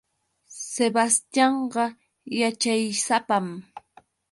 Sebastianqa yaćhaysapam.